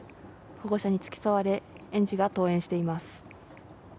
保護者に付き添われ園児が登園しています。